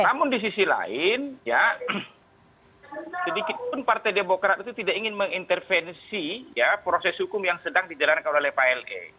namun di sisi lain ya sedikitpun partai demokrat itu tidak ingin mengintervensi proses hukum yang sedang dijalankan oleh pak le